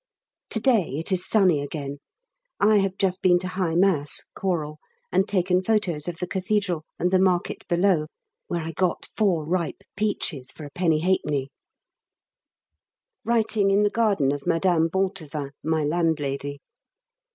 To day it is sunny again. I have just been to High Mass (Choral), and taken photos of the Cathedral and the Market below, where I got four ripe peaches for 1 1/2d. Writing in the garden of Mme. Bontevin, my landlady.